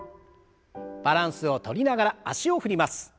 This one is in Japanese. バランスをとりながら脚を振ります。